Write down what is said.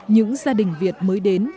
những gia đình việt mới đến